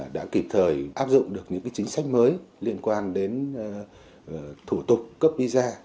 đã kịp thời áp dụng được những chính sách mới liên quan đến thủ tục cấp visa